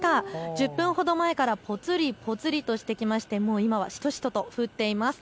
１０分ほど前からぽつりぽつりとしてきまして今はしとしとと降っています。